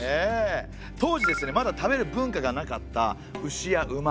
当時ですねまだ食べる文化がなかった牛や馬。